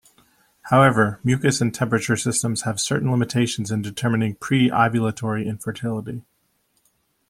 However, mucus and temperature systems have certain limitations in determining pre-ovulatory infertility.